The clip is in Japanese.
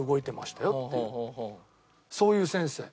そういう先生。